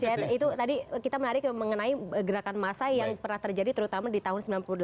itu tadi kita menarik mengenai gerakan massa yang pernah terjadi terutama di tahun sembilan puluh delapan